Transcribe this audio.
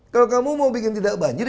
kalau kamu mau bikin tidak banjir